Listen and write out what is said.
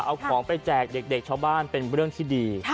เอาของไปแจกเด็กชาวบ้านเป็นเรื่องที่ดี